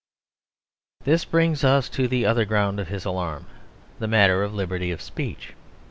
This brings us to the other ground of his alarm the matter of liberty of speech.